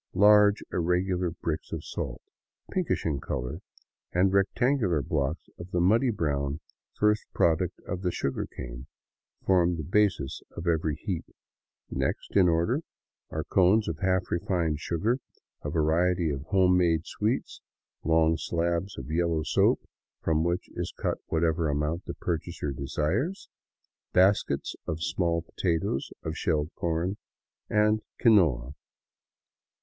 Large, irregular bricks of salt, pink ish in color, and rectangular blocks of the muddy brown first product of the sugar cane, form the basis of every^heap. Next in order are cones of half refined sugar, a variety of home made sweets, long slabs of yellow soap from which is cut whatever amount the purchaser desires ; baskets of small potatoes, of shelled corn, and quinoa.